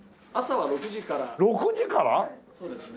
はいそうですね。